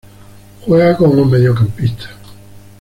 Juega como mediocampista.